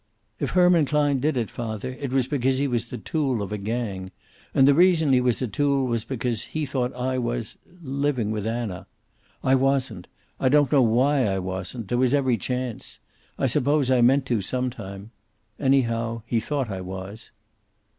"If Herman Klein did it, father, it was because he was the tool of a gang. And the reason he was a tool was because he thought I was living with Anna. I wasn't. I don't know why I wasn't. There was every chance. I suppose I meant to some time. Anyhow, he thought I was."